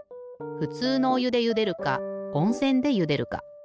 ふつうのおゆでゆでるかおんせんでゆでるか。